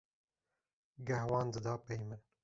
geh wan dida pey min.